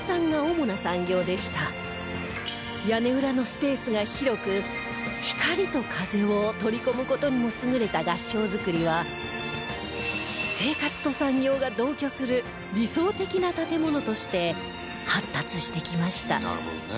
屋根裏のスペースが広く光と風を取り込む事にも優れた合掌造りは生活と産業が同居する理想的な建物として発達してきました